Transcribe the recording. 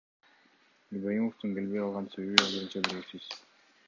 Ибраимовдун келбей калган себеби азырынча белгисиз.